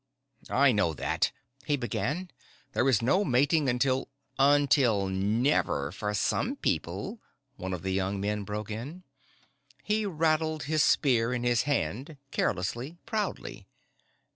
"I know that," he began. "There is no mating until " "Until never for some people," one of the young men broke in. He rattled his spear in his hand, carelessly, proudly.